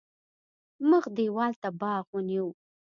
مخ دېوال ته باغ ونیو.